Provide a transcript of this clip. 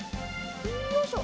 よいしょ！